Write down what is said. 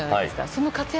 その活躍